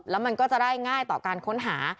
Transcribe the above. แล้วมันก็จะได้ง่ายต่อการค้นหา